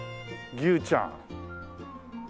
牛ちゃん？